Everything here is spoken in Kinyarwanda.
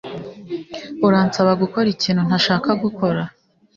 Uransaba gukora ikintu ntashaka gukora